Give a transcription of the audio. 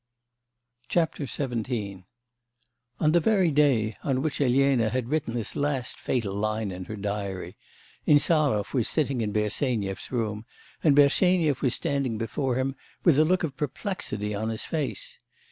XVII On the very day on which Elena had written this last fatal line in her diary, Insarov was sitting in Bersenyev's room, and Bersenyev was standing before him with a look of perplexity on his face.